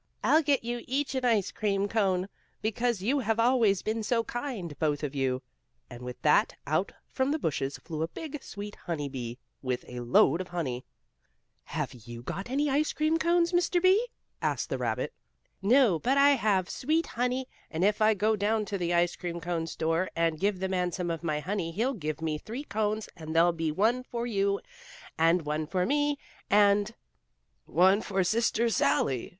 "I'll get you each an ice cream cone, because you have always been so kind both of you." And with that out from the bushes flew a big, sweet, honey bee, with a load of honey. "Have you got any ice cream cones, Mr. Bee?" asked the rabbit. "No, but I have sweet honey, and if I go down to the ice cream cone store, and give the man some of my honey he'll give me three cones, and there'll be one for you and one for me and " "One for Sister Sallie!"